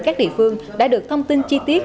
các địa phương đã được thông tin chi tiết